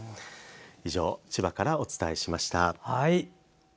以上、千葉からお伝えしました。